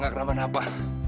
gak keraman apa